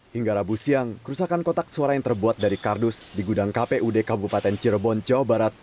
hingga rabu siang kerusakan kotak suara yang terbuat dari kardus di gudang kpud kabupaten cirebon jawa barat